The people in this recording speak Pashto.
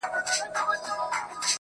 ايله چي شل، له ځان سره خوارې کړې ده_